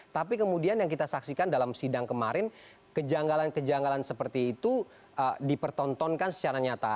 tapi kemudian yang kita saksikan dalam sidang kemarin kejanggalan kejanggalan seperti itu dipertontonkan secara nyata